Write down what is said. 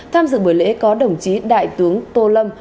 tham dự buổi lễ có đồng chí đại tướng tô lâm